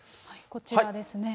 こちらですね。